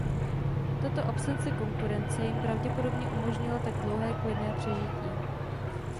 Tato absence konkurence jim pravděpodobně umožnila tak dlouhé klidné přežití.